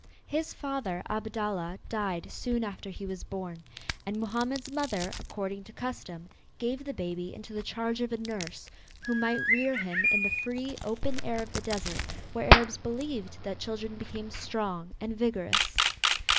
His father, Abdallah, died soon after he was born, and Mohammed's mother, according to custom, gave the baby into the charge of a nurse who might rear him in the free, open air of the desert where Arabs believed that children became strong and vigorous.